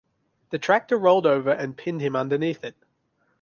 The tractor rolled over and pinned him underneath it.